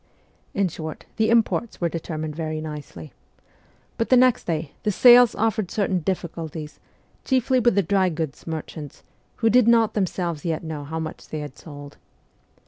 In short, the ' imports ' were determined very nicely. But next day, the ' sales ' offered certain diffi culties, chiefly with the dry goods' merchants, who did not themselves yet know how much they had sold.